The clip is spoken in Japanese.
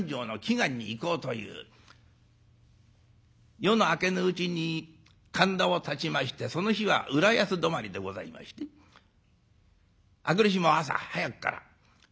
夜の明けぬうちに神田をたちましてその日は浦安どまりでございまして明くる日も朝早くから。